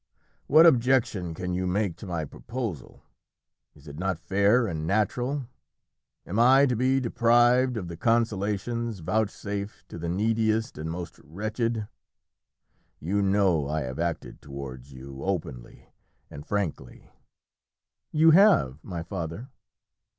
"What objection can you make to my proposal? Is it not fair and natural? Am I to be deprived of the consolations vouchsafed to the neediest and most wretched? You know I have acted towards you openly and frankly." "You have, my father."